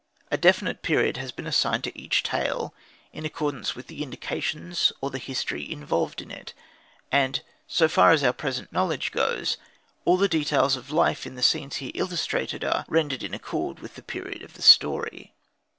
A definite period has been assigned to each tale, in accordance with the indications, or the history, involved in it; and, so far as our present knowledge goes, all the details of life in the scenes here illustrated are rendered in accord with the period of the story.